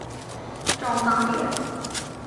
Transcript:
郑芳田。